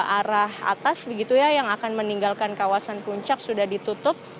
arah atas begitu ya yang akan meninggalkan kawasan puncak sudah ditutup